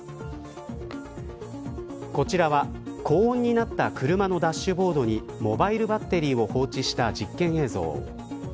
こちらは高温になった車のダッシュボードにモバイルバッテリーを放置した実験映像。